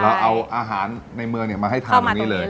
เอาอาหารในเมืองมาให้ทานตรงนี้เลย